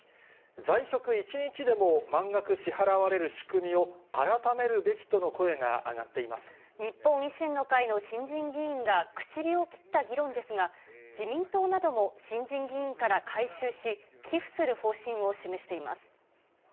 在職１日でも満額支払われる仕組みを改めるべきとの声が上がって日本維新の会の新人議員が口火を切った議論ですが、自民党なども新人議員から回収し、寄付する方針を示しています。